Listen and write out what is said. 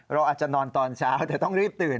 เราอาจจะนอนตอนเช้าแต่ต้องรีบตื่น